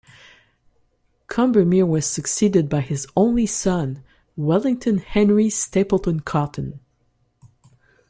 Combermere was succeeded by his only son, Wellington Henry Stapleton-Cotton.